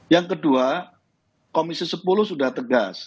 yang kedua komisi sepuluh sudah tegas